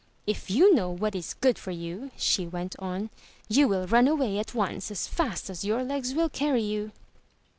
''If you know what is good for you,'* she went on, ''you will run away at once as fast as your legs will carry you.